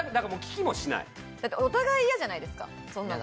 お互い嫌じゃないですか、そんなの。